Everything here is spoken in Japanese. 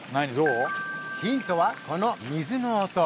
ヒントはこの水の音